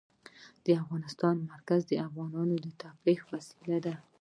د هېواد مرکز د افغانانو د تفریح یوه وسیله ده.